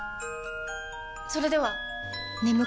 それでは！